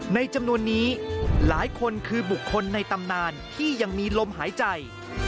จำนวนนี้หลายคนคือบุคคลในตำนานที่ยังมีลมหายใจ